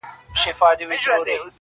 • د تور منځ کي د دانو په غونډولو -